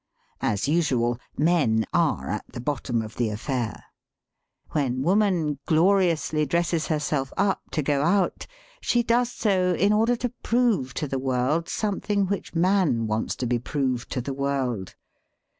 As usual, men are at the bottom of the affair. When woman gloriously dresses herself up to go out, she does so in order to prove to the world something which man wants to be proved to the world.